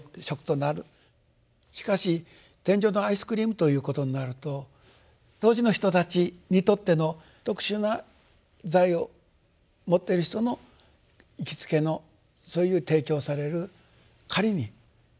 しかし「天上のアイスクリーム」ということになると当時の人たちにとっての特殊な財を持っている人の行きつけのそういう提供される仮に食だと。